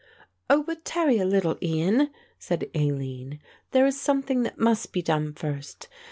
"Oh, but tarry a little, Ian," said Aline; "there is something that must be done first.